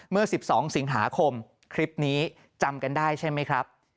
เมื่อ๑๒สิงหาคมคลิปนี้จำกันได้ใช่ไหมครับ